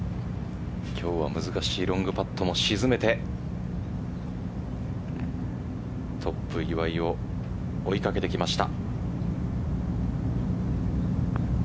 今日は難しいロングパットも沈めてトップ岩井を追いかけてきました。